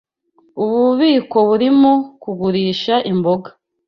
Ubu bubiko burimo kugurisha imboga.